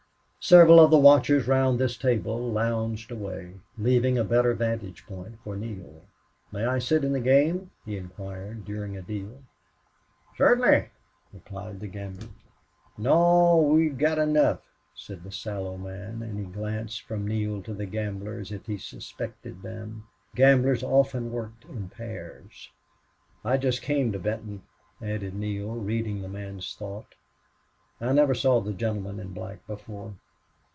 Several of the watchers round this table lounged away, leaving a better vantage place for Neale. "May I sit in the game?" he inquired, during a deal. "Certainly," replied the gambler. "Naw. We gotta nough," said the sallow man, and he glanced from Neale to the gambler as if he suspected them. Gamblers often worked in pairs. "I just came to Benton," added Neale, reading the man's thought. "I never saw the gentleman in black before."